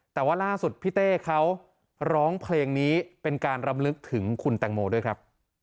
แต่ว่าล่าสุดพี่เต้เขาร้องเพลงนี้เป็นการรำลึกถึงคุณแตงโมด้วยครับ